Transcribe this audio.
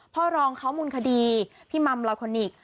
พ่อรองเขามูลคดีพี่มัมลอยคอนิกส